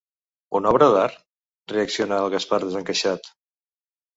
Una obra d'art? —reacciona el Gaspar, desencaixat.